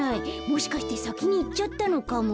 もしかしてさきにいっちゃったのかも。